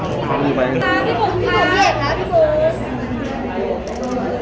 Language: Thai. ขอบคุณค่ะพี่เอกขอบคุณค่ะ